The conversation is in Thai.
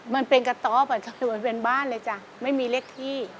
มันเป็นกระต๊อบอ่ะจ้ะมันเป็นบ้านเลยจ้ะไม่มีเลขที่